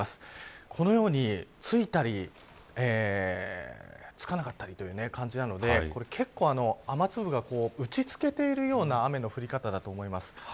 このように付いたり付かなかったりという感じなので結構、雨粒が打ち付けているような雨の降り方だと思います。